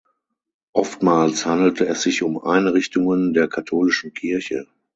Oftmals handelte es sich um Einrichtungen der katholischen Kirche.